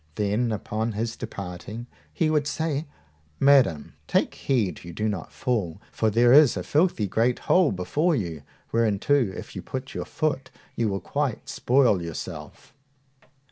Then, upon his departing, he would say, Madam, take heed you do not fall, for there is a filthy great hole before you, whereinto if you put your foot, you will quite spoil yourself.